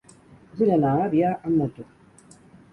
Vull anar a Avià amb moto.